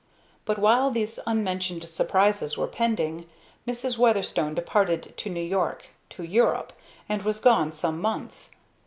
But while these unmentioned surprises were pending, Mrs. Weatherstone departed to New York to Europe; and was gone some months.